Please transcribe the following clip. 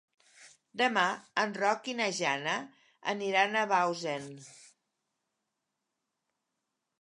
Demà en Roc i na Jana aniran a Bausen.